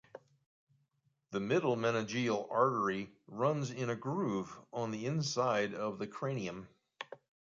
The middle meningeal artery runs in a groove on the inside of the cranium.